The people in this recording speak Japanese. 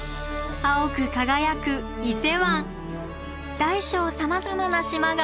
青く輝く伊勢湾大小さまざまな島が浮かびます。